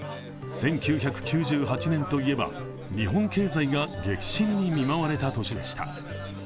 １９９８年といえば、日本経済が激震に見舞われた年でした。